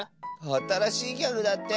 あたらしいギャグだって。